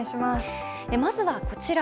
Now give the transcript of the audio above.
まずは、こちら。